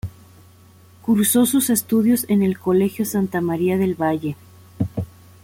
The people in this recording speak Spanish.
Cursó sus estudios en el Colegio Santa María del Valle.